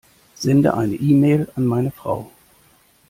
Sende eine E-Mail an meine Frau.